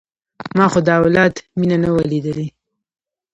ما خو د اولاد مينه نه وه ليدلې.